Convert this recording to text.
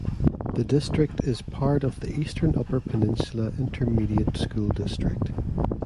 The district is part of the Eastern Upper Peninsula Intermediate School District.